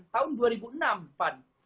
tahun dua ribu enam pan